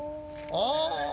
ああ。